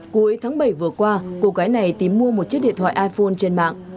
cuối tháng bảy vừa qua cô gái này tìm mua một chiếc điện thoại iphone trên mạng